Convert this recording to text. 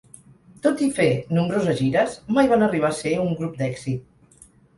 Tot i fer nombroses gires, mai van arribar a ser un grup d'èxit.